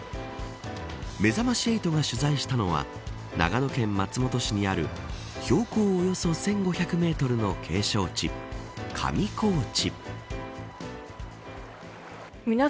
めざまし８が取材したのは長野県松本市にある標高およそ１５００メートルの景勝地上高地。